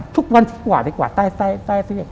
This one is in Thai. ทุกวันที่กว่าดีกว่าใต้เสื้อ